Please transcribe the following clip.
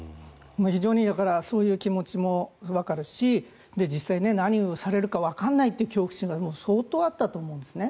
非常にそういう気持ちもわかるし実際何をされるかわからないという恐怖心が相当あったと思うんですね。